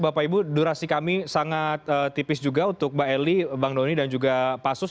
bapak ibu durasi kami sangat tipis juga untuk mbak eli bang doni dan juga pak sus